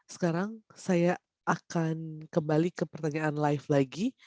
sekarang saya akan kembali ke pertanyaan live lagi